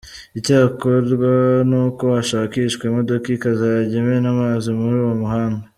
Icyakorwa n’uko hashakishwa imodoka ikazajya imena amazi muri uwo muhanda.